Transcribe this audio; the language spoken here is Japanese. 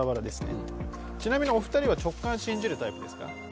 ちなみにお二人は直感信じるタイプですか？